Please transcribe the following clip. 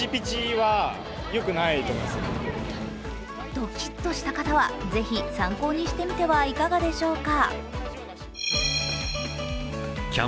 ドキッとした方はぜひ参考にしてみてはいかがでしょうか。